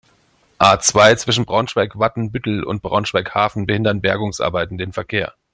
A-zwei, zwischen Braunschweig-Watenbüttel und Braunschweig-Hafen behindern Bergungsarbeiten den Verkehr.